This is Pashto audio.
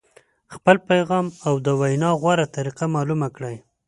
خپل پیغام او د وینا غوره طریقه معلومه کړئ.